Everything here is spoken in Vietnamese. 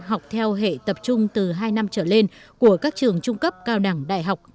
học theo hệ tập trung từ hai năm trở lên của các trường trung cấp cao đẳng đại học